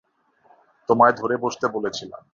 তোমায় ধরে বসতে বলেছিলাম।